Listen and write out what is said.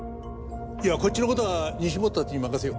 こっちの事は西本たちに任せよう。